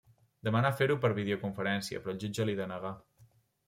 Demanà fer-ho per videoconferència, però el jutge li denegà.